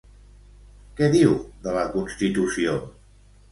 Què diu de la Constitució?